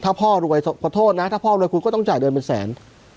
ถ้าพ่อรวยขอโทษนะถ้าพ่อรวยคุณก็ต้องจ่ายเดือนเป็นแสน